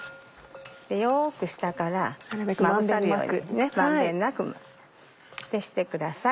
よく下から満遍なくしてください。